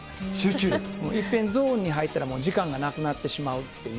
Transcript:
いっぺん、ゾーンに入ったら、時間がなくなってしまうっていう。